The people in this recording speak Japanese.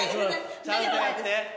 ちゃんとやって。